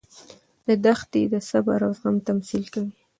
دښتې د صبر او زغم تمثیل کوي.